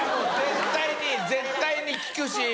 絶対に絶対に効くし。